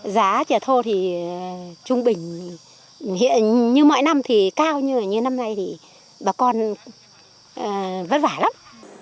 giá chè thô thì trung bình như mọi năm thì cao nhưng mà như năm nay thì bà con vất vả lắm